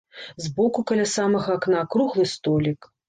З боку каля самага акна круглы столік.